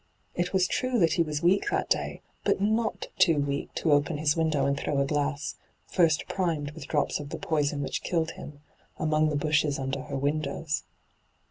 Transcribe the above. It was true that he was weak that day, but not too weak to open his window and throw a glass, first primed with drops of the poison which killed him, among the bushes under her windows.